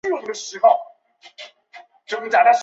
安藤利吉为宫城县出身之日本陆军军人。